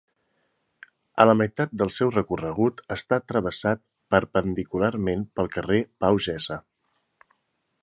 A la meitat del seu recorregut està travessat perpendicularment pel carrer Pau Gessa.